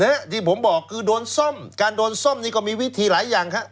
นะฮะที่ผมบอกคือโดนซ่อมการโดนซ่อมนี่ก็มีวิธีหลายอย่างครับ